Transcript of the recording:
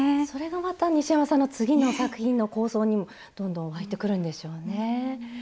それがまた西山さんの次の作品の構想にもどんどん湧いてくるんでしょうね。